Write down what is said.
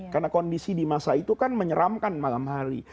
karena kondisi di masa itu kan menyeramkan malam hari